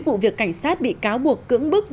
vụ việc cảnh sát bị cáo buộc cưỡng bức